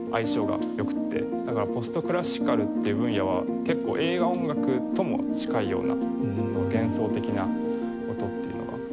だからポストクラシカルっていう分野は結構映画音楽とも近いような幻想的な音っていうのが。